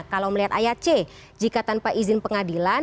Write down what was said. kalau melihat ayat c jika tanpa izin pengadilan